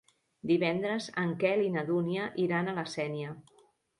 Divendres en Quel i na Dúnia iran a la Sénia.